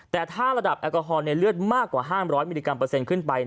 แต่ถ้าระดับแอลกอฮอลในเลือดมากกว่า๕๐๐มิลลิกรัเปอร์เซ็นต์ขึ้นไป